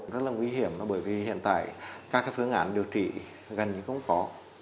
rất là nguy hiểm bởi vì hiện tại các phương án điều trị gần như không có